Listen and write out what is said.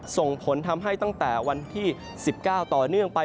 ส่งผลทำให้ตั้งแต่วันที่๑๙ต่อเนื่องไป